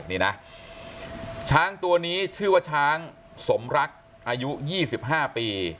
นี่นะช้างตัวนี้ชื่อว่าช้างสมรักอายุ๒๕ปี